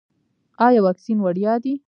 ایا واکسین وړیا دی؟